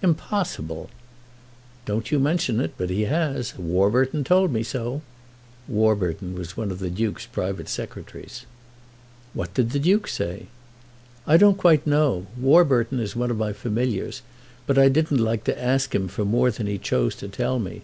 "Impossible!" "Don't you mention it, but he has. Warburton has told me so." Warburton was one of the Duke's private secretaries. "What did the Duke say?" "I don't quite know. Warburton is one of my familiars, but I didn't like to ask him for more than he chose to tell me.